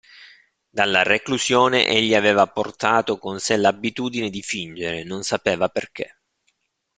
Dalla reclusione egli aveva portato con sé l'abitudine di fingere; non sapeva perché.